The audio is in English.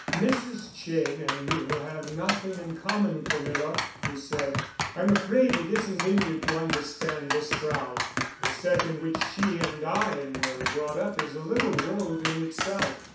"Mrs. Cheyne and you have nothing in common, Camilla," he said. "I'm afraid it isn't in you to understand this crowd. The set in which she and I were brought up is a little world in itself.